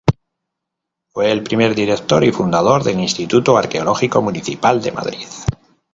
Fue el primer director y fundador del Instituto Arqueológico Municipal de Madrid.